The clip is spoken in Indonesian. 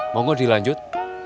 mau gue dilanjut